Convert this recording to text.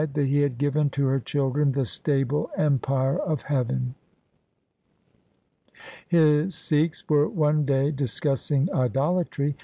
L 2 148 THE SIKH RELIGION had given to her children the stable empire of heaven. His Sikhs were one day discussing idolatry.